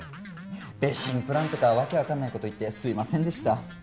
別寝プランとか訳わかんないこと言ってすいませんでした。